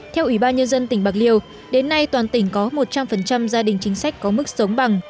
theo ủy ban nhân dân tỉnh bạc liêu đến nay toàn tỉnh có một trăm linh gia đình chính sách có mức sống bằng